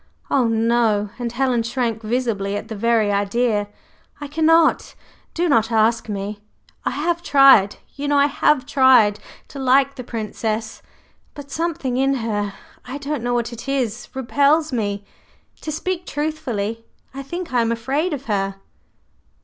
"Oh, no!" and Helen shrank visibly at the very idea. "I cannot; do not ask me! I have tried you know I have tried to like the Princess; but something in her I don't know what it is repels me. To speak truthfully, I think I am afraid of her."